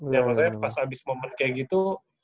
ya maksudnya pas abis momen kayak gitu